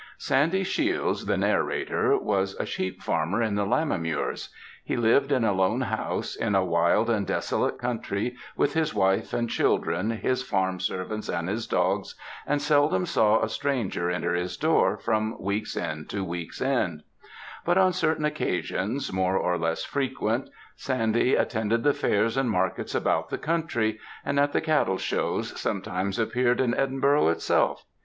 Sandy Shiels, the narrator, was a sheep farmer in the Lammermuirs. He lived in a lone house, in a wild and desolate country, with his wife and children, his farm servants, and his dogs, and seldom saw a stranger enter his door, from week's end to week's end; but on certain occasions, more or less frequent, Sandy attended the fairs and markets about the country; and at the cattle shows, sometimes, appeared in Edinburgh itself.